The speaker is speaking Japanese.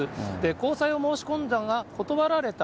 交際を申し込んだが断られた。